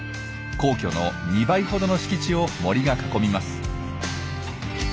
皇居の２倍ほどの敷地を森が囲みます。